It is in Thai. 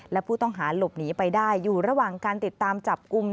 และผู้ต้องหาหลบหนีไปได้อยู่ระหว่างการติดตามจับกลุ่ม